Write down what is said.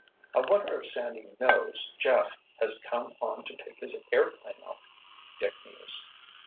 "I wonder if Sandy knows Jeff has come on to take his airplane off," Dick mused.